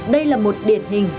đây là một điển hình